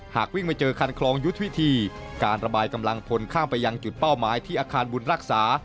หากวิ่งมาเจอคันคลองยุทธวิธีการระบายกำลังพลข้ามไปยังจุดเป้าหมายที่อาคารบุญรักษา